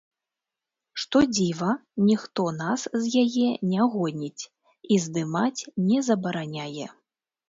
Што дзіва, ніхто нас з яе не гоніць і здымаць не забараняе.